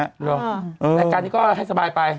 แล้วกันก็ให้สบายไป